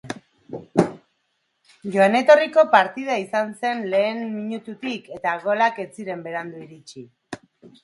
Joan etorriko partida izan zen lehen minututik eta golak ez ziren berandu iritsi.